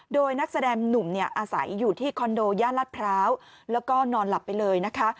โดยนักแสดงหนุ่มเนี่ยอาศัยอยู่ที่คอนโดย่านรัฐพร้าวแล้วก็นอนหลับไปเลยนะคะ